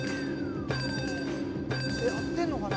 合ってるのかな？